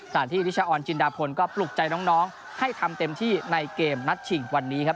ที่นิชาออนจินดาพลก็ปลุกใจน้องให้ทำเต็มที่ในเกมนัดชิงวันนี้ครับ